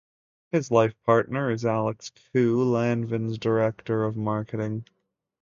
His life partner is Alex Koo, Lanvin's director of marketing.